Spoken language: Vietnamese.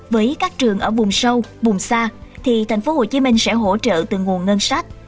với các trường ở vùng sâu vùng xa thì tp hcm sẽ hỗ trợ từ nguồn ngân sách